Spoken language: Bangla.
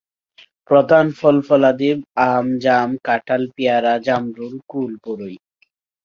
প্রধান ফল-ফলাদিব আম, জাম, কাঁঠাল, পেয়ারা, জামরুল, কুলবরই।